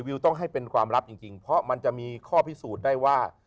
วิวต้องให้เป็นความลับจริงเพราะมันจะมีข้อพิสูจน์ได้ว่า